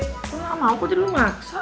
gue gak mau kok jadi lu maksa